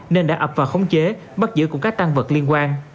nên đã ập vào khống chế bắt giữ cùng các tăng vật liên quan